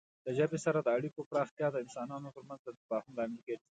د ژبې سره د اړیکو پراختیا د انسانانو ترمنځ د تفاهم لامل ګرځي.